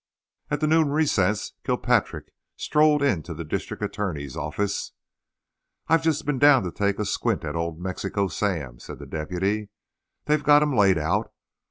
At the noon recess Kilpatrick strolled into the district attorney's office. "I've just been down to take a squint at old Mexico Sam," said the deputy. "They've got him laid out.